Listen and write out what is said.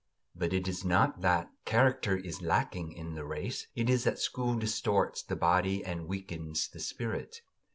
But it is not that character is lacking in the race; it is that school distorts the body and weakens the spirit.